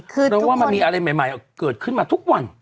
เพราะว่ามันมีอะไรใหม่เกิดขึ้นมาทุกวัน